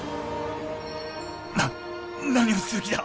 な何をする気だ